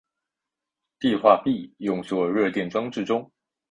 碲化铋用作热电装置中。